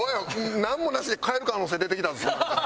なんもなしに帰る可能性出てきたぞ。